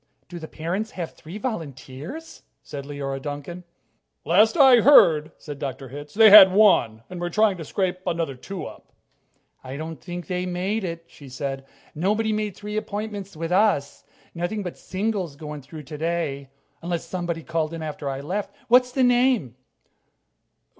"Do the parents have three volunteers?" said Leora Duncan. "Last I heard," said Dr. Hitz, "they had one, and were trying to scrape another two up." "I don't think they made it," she said. "Nobody made three appointments with us. Nothing but singles going through today, unless somebody called in after I left. What's the name?"